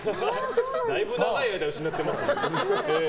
だいぶ長い間失ってますね。